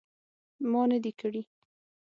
ما نه دي کړي